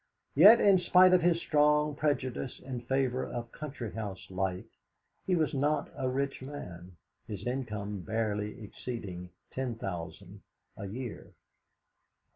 Yet, in spite of his strong prejudice in favour of country house life, he was not a rich man, his income barely exceeding ten thousand a year.